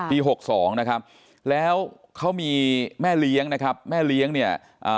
หกสองนะครับแล้วเขามีแม่เลี้ยงนะครับแม่เลี้ยงเนี่ยอ่า